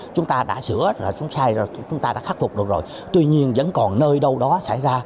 chúng ta đã sửa chúng ta đã khắc phục được rồi tuy nhiên vẫn còn nơi đâu đó xảy ra